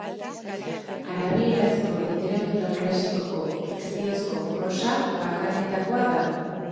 Arabierazko literatura klasikoko fikziozko prosa bakanetakoa da.